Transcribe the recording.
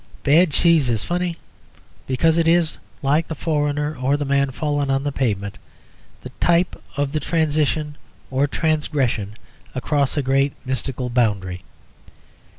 Bad cheese is funny because it is (like the foreigner or the man fallen on the pavement) the type of the transition or transgression across a great mystical boundary.